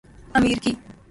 امیر کی